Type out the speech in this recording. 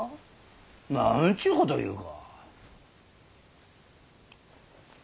なんちゅうことを言うか。